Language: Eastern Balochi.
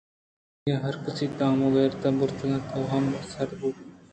آئی ءَ ہرکسی تام ءُغیرت برتگ اَت آ ہم سرد بوت